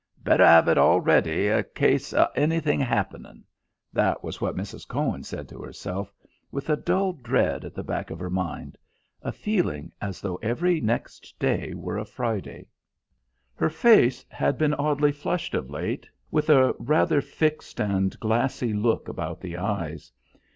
"Better 'ave it all ready, 'a case o' anything happening." That was what Mrs. Cohen said to herself, with a dull dread at the back of her mind: a feeling as though every next day were a Friday. Her face had been oddly flushed of late, with a rather fixed and glassy look about the eyes.